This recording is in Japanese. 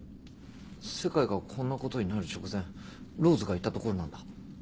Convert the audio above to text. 世界がこんなことになる直前ローズがいた所なんだ。